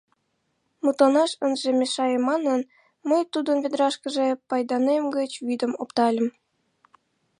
Мутланаш ынже мешае манын, мый тудын ведрашкыже пайданем гыч вӱдым оптальым.